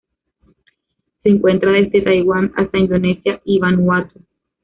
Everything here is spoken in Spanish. Se encuentra desde Taiwán hasta Indonesia y Vanuatu.